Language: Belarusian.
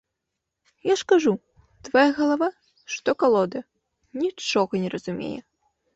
Я ж кажу, твая галава, што калода, нічога не разумее.